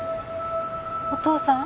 お父さん？